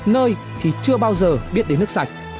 nơi thì chưa bao giờ biết đến nước sạch